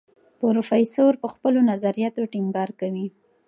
پروفیسور پر خپلو نظریاتو ټینګار کوي.